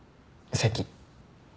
席？